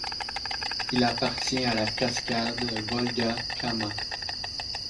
Il appartient à la cascade Volga-Kama.